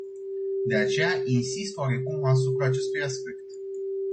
De aceea insist oarecum asupra acestui aspect.